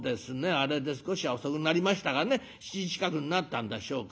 あれで少しは遅くなりましたがね７時近くになったんでしょうか。